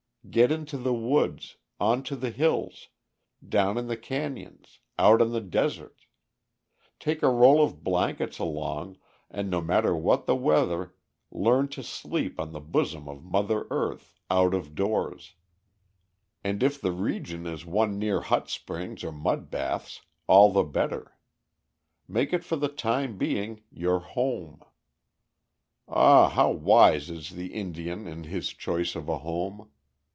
Get into the woods, on to the hills, down in the canyons, out on the deserts. Take a roll of blankets along, and no matter what the weather, learn to sleep on the bosom of Mother Earth, out of doors. And if the region is one near hot springs or mud baths, all the better. Make it for the time being your home. Ah! how wise is the Indian in his choice of a home.